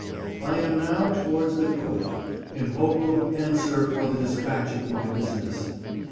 I am nowe towardes the Cowrte, in hope of answer for the dispatche of my Buysenes.